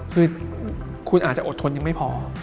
คือคุณอาจจะอดทนยังไม่พอ